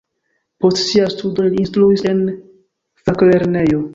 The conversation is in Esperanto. Post siaj studoj li instruis en faklernejo.